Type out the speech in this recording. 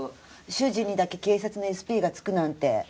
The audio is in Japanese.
主人にだけ警察のＳＰがつくなんて。